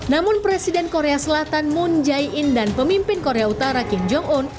namun presiden korea selatan moon jae in dan pemimpin korea utara kim jong un